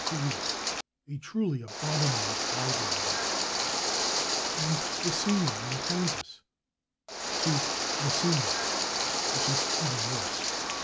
Therese/, a truly abominable barbarism, and /La Cygne/, in Kansas, to /Lacygne/, which is even worse.